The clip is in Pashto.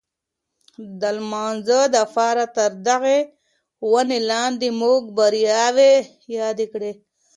د لمانځلو دپاره تر دغي وني لاندي موږ بریاوې یادې کړې.